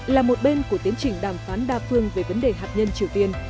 là một bên của tiến trình đàm phán đa phương về vấn đề hạt nhân triều tiên